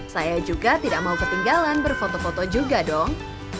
saya juga tidak mau ketinggalan berfoto foto juga dong